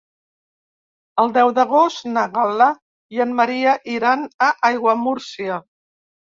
El deu d'agost na Gal·la i en Maria iran a Aiguamúrcia.